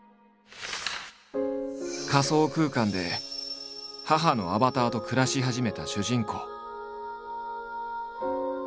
仮想空間で母のアバターと暮らし始めた主人公。